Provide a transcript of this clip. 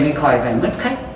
để mình khỏi phải mất khách